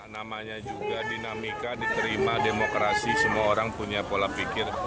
namanya juga dinamika diterima demokrasi semua orang punya pola pikir